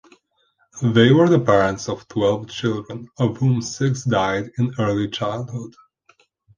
They were the parents of twelve children, of whom six died in early childhood.